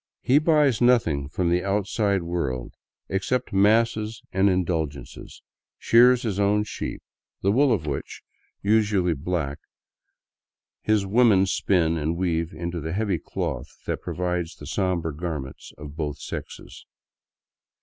He buys nothing from the outside world — except misses and indulgences — shears his own sheep, the wool of wh'ch, usually 203 VAGABONDING DOWN THE ANDES black, his women spin and weave into the heavy cloth that provides the somber garments of both sexes.